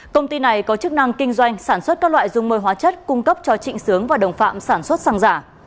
công ty này có chức năng kinh doanh sản xuất các loại dung môi hóa chất cung cấp cho trịnh sướng và đồng phạm sản xuất xăng giả